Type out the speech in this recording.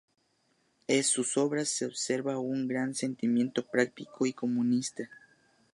Es sus obras se observa un gran sentimiento patriótico y comunista.